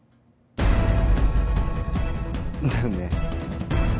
だよね？